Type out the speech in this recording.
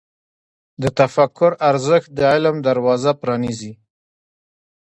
د تفکر ارزښت د علم دروازه پرانیزي.